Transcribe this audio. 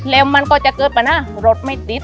แล้วมันก็จะเกิดปัญหารถไม่ติด